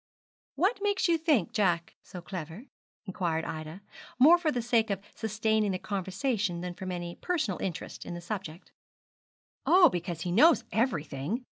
'What makes you think Jack so clever?' inquired Ida, more for the sake of sustaining the conversation than from any personal interest in the subject. 'Oh, because he knows everything.